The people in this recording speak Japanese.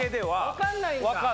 分かんないんか！？